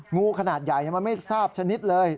งูขนาดใหญ่มันไม่ทราบชนิดเลย